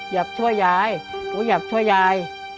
อยากช่วยยายหนูอยากช่วยยาย